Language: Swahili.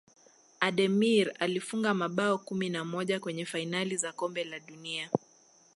ademir alifunga mabao kumi na moja kwenye fainali za kombe la dunia